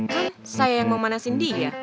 kan saya yang mau manasin dia